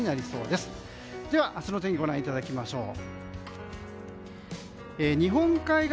では、明日の天気をご覧いただきましょう。